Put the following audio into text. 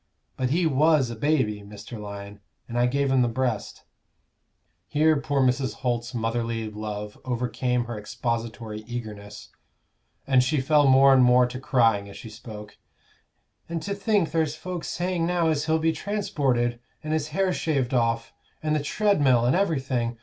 But he was a baby, Mr. Lyon, and I gave him the breast," here poor Mrs. Holt's motherly love over came her expository eagerness, and she fell more and more to crying as she spoke "And to think there's folks saying now as he'll be transported, and his hair shaved off, and the treadmill, and everything.